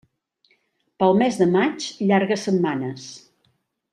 Pel mes de maig, llargues setmanes.